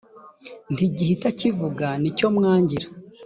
ntigihita kivuga nicyomwangira